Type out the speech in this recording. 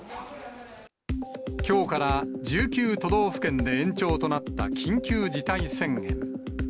きょうから１９都道府県で延長となった緊急事態宣言。